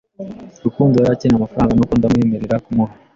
Rukundo yari akeneye amafaranga, nuko ndamwemerera kumuha.